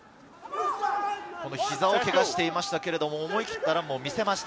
膝をけがしていましたけども、思い切ったランを見せました。